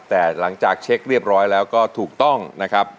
แต่หลังจากเช็คเรียบร้อยแล้วก็ถูกต้องนะครับ